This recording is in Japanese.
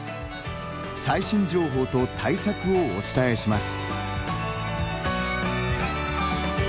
最新情報と対策をお伝えします。